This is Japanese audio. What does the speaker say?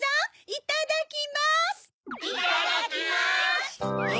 いただきます！